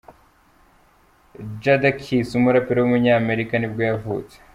Jadakiss, umuraperi w’umunyamerika ni bwo yavutse.